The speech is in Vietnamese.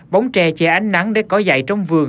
bóng tre chè ánh nắng để có dạy trong vườn